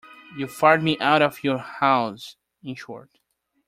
You fired me out of your house, in short.